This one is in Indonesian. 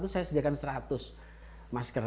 saya sediakan seratus masker